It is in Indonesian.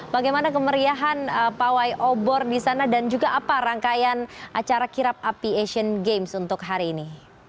bagaimana kemeriahan pawai obor di sana dan juga apa rangkaian acara kirap api asian games untuk hari ini